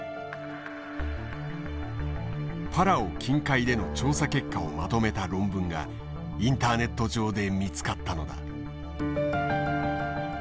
パラオ近海での調査結果をまとめた論文がインターネット上で見つかったのだ。